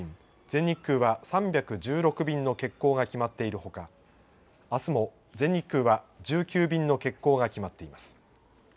全日空は３１６便の欠航が決まっているほか、あすも、全日空は１９便の欠航が決まっています。